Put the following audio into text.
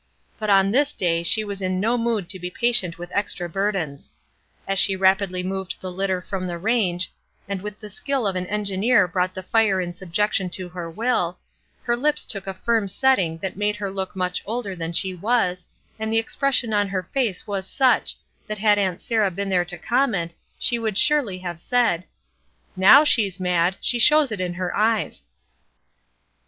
But on this day she was in no mood to be patient with extra burdens. As she rapidly removed the Utter from the range, and with the skill of an engineer brought the fire in subjection to her will, her lips took a firm setting that made her look much older than she was, and the expression on her face was such that had Aunt Sarah been there to comment, she would surely have said: — "Now she's mad! she shows it in her eyes."